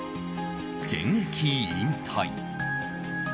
現役引退。